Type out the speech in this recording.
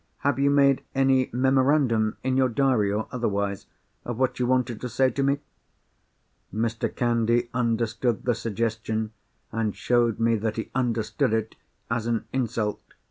Have you made any memorandum—in your diary, or otherwise—of what you wanted to say to me?" Mr. Candy understood the suggestion, and showed me that he understood it, as an insult.